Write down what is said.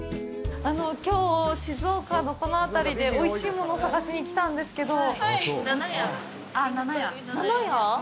きょう、静岡のこの辺りでおいしいもの探しにきたんですけど。